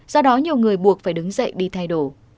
do đó nhiều người buộc phải đứng dậy đi thay đổi